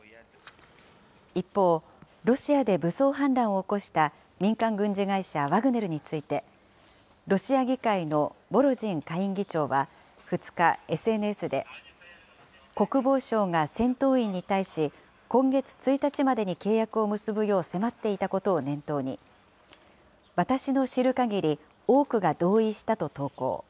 一方、ロシアで武装反乱を起こした民間軍事会社ワグネルについて、ロシア議会のボロジン下院議長は、２日、ＳＮＳで、国防省が戦闘員に対し、今月１日までに契約を結ぶよう迫っていたことを念頭に、私の知る限り多くが同意したと投稿。